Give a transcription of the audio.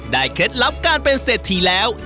ได้เคล็ดลับการเป็นเสร็จที่แล้ว